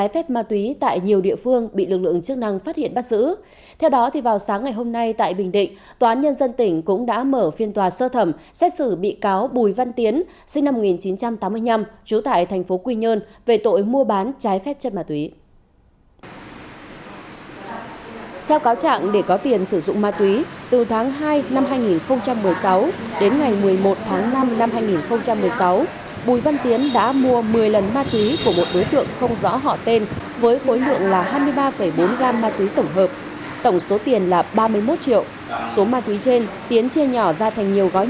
hội đồng xét xử đã tuyên phạt bản án tám năm tù về tội mua bán trái phép chân ma túy đối với đối tượng tiến